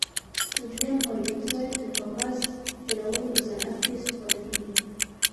سوډیم هایدروکسایډ د کاغذ جوړولو په صنعت کې استفاده کیږي.